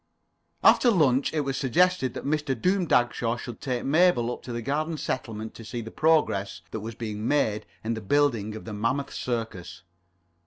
After lunch it was suggested that Mr. Doom Dagshaw should take Mabel up to the Garden Settlement to see the progress that was being made in the building of the Mammoth Circus.